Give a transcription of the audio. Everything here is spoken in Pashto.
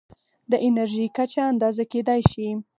د انرژۍ کچه اندازه کېدای شي.